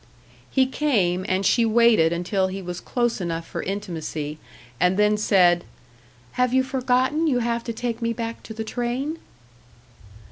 He came; and she waited until he was close enough for intimacy, and then said, "Have you forgotten you have to take me back to the train?"